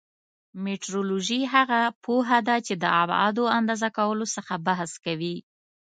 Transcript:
مټرولوژي هغه پوهه ده چې د ابعادو اندازه کولو څخه بحث کوي.